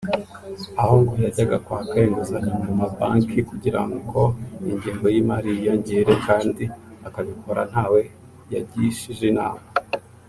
aho ngo yajyaga kwaka inguzanyo mu mabanki kugirango ingengo y’imari yiyongere kandi akabikora ntawe yagishije inama